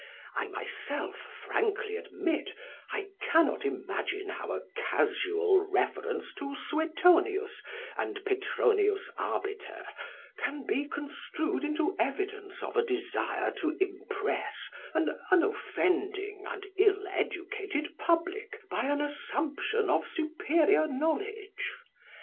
I myself frankly admit I cannot imagine how a casual reference to Suetonius and Petronius Arbiter can be construed into evidence of a desire to impress an unoffending and ill educated public by an assumption of superior knowledge.